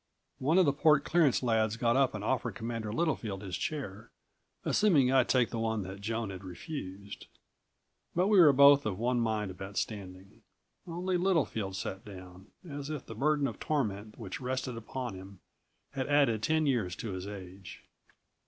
One of the port clearance lads got up and offered Commander Littlefield his chair, assuming I'd take the one that Joan had refused. But we were both of one mind about standing. Only Littlefield sat down, as if the burden of torment which rested upon him had added ten years to his age.